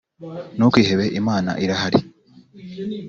ntukihebe imana irahari